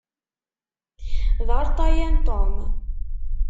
D arṭayan Tom.